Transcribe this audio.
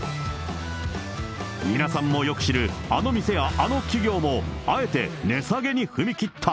皆さんもよく知るあの店やあの企業も、あえて値下げに踏み切った。